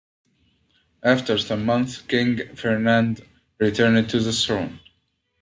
After some months King Ferdinand returned to the throne.